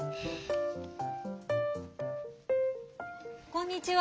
こんにちは。